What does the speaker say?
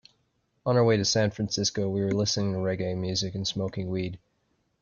On our way to San Francisco, we were listening to reggae music and smoking weed.